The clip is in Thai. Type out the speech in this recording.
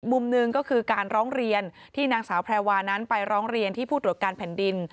มุมหนึ่งก็คือการร้องเรียนที่นางสาวแพรวานั้นไปร้องเรียนที่ผู้ตรวจการแผ่นดิน